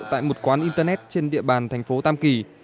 tại một quán internet trên địa bàn thành phố tam kỳ